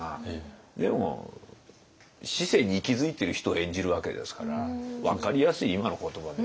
でも市井に息づいている人を演じるわけですから分かりやすい今の言葉で。